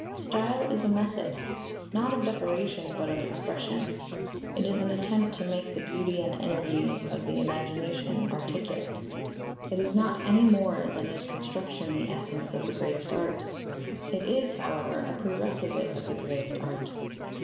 Style is a method, not of decoration, but of expression. It is an attempt to make the beauty and energy of the imagination articulate. It is not any more than is construction the essence of the greatest art: it is, however, a prerequisite of the greatest art.